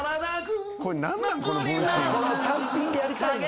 この単品でやりたいのよ